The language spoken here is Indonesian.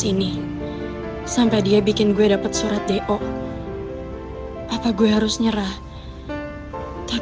ini ada surat untuk kamu